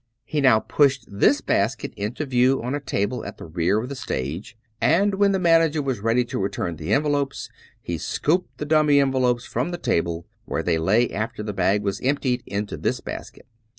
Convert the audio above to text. He now pushed this basket into view on a table at the rear of the stage; and when the manager was ready to return the envelopes, he scooped the dummy envelopes from the table (where they lay after the bag was emptied) into this basket.